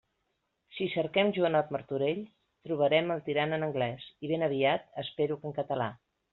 Si cerquem “Joanot Martorell” trobaren el Tirant en anglès, i ben aviat, espero que en català.